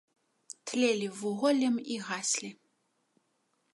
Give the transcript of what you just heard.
Тлелі вуголлем і гаслі.